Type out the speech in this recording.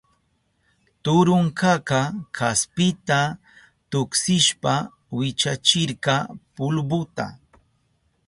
Turunkaka kaspita tuksishpa wichachirka pulbuta.